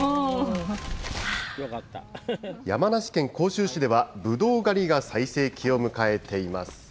山梨県甲州市では、ぶどう狩りが最盛期を迎えています。